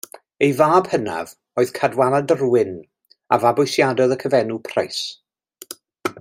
Ei fab hynaf oedd Cadwaladr Wyn, a fabwysiadodd y cyfenw Price.